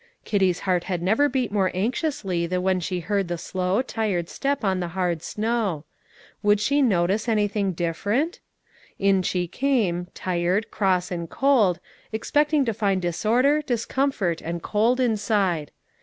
Kitty's heart had never beat more anxiously than when she heard the slow, tired step on the hard snow. Would she notice anything different? In she came, tired, cross, and cold, expecting to find disorder, discomfort, and cold inside.